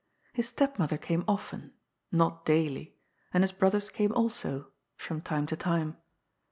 His stepmother came often — ^not daily — and his brothers came also, from time to time.